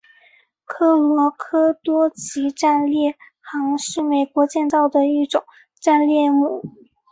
科罗拉多级战列舰是美国建造的一种战列舰。